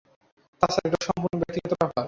তাছাড়া এটা সম্পূর্ণ ব্যক্তিগত ব্যাপার।